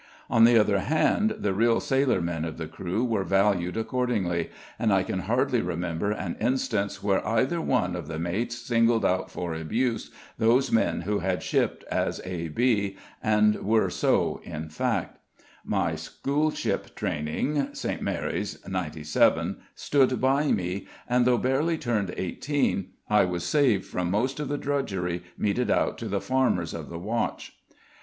On the other hand, the real sailor men of the crew were valued accordingly, and I can hardly remember an instance where either one of the mates singled out for abuse those men who had shipped as A.B. and were so in fact. My schoolship training (St. Mary's '97) stood by me, and though barely turned eighteen, I was saved from most of the drudgery meted out to the farmers of the watch.